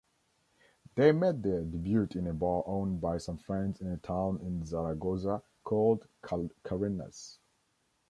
They made their debut in a bar owned by some friends in a town in Zaragoza called Carenas.